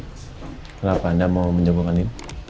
kenapa anda mau menjabokan din